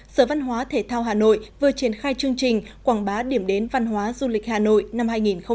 sở văn hóa thể thao hà nội vừa triển khai chương trình quảng bá điểm đến văn hóa du lịch hà nội năm hai nghìn hai mươi